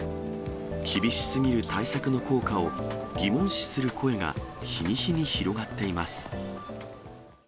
厳しすぎる対策の効果を疑問視する声が日に日に広がっています。